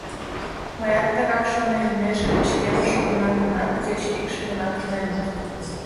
Мыят тыгак шонем, меже пычкемыш улына гынат, кеч икшывына тунемыт.